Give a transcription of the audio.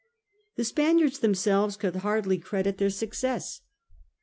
The Spaniards themselves could hardly credit their success.